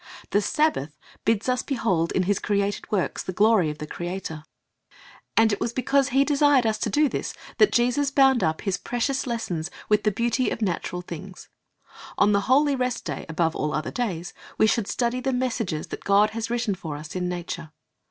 The Sabbath bids us behold in His created works the glory of the Creator. And 26 Christ's Object Lessons it was because He desired us to do this that Jesus bound up His precious lessons with the beauty of natural things. On the holy rest day, above all other days, we should study the messages that God has written for us in nature.